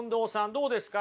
どうですか？